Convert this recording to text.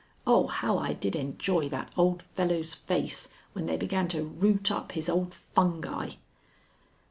Oh, how I did enjoy that old fellow's face when they began to root up his old fungi!"